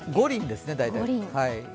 ５輪ですね、大体。